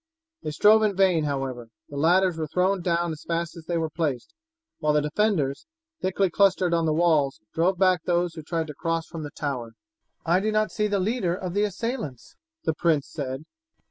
They strove in vain, however. The ladders were thrown down as fast as they were placed, while the defenders, thickly clustered on the walls, drove back those who tried to cross from the tower. "I do not see the leader of the assailants," the prince said.